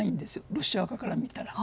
ロシア側から見たら。